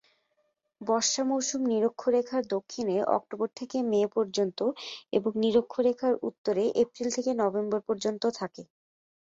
বর্ষা মৌসুম নিরক্ষরেখার দক্ষিণে অক্টোবর থেকে মে পর্যন্ত এবং নিরক্ষরেখার উত্তরে এপ্রিল থেকে নভেম্বর পর্যন্ত থাকে।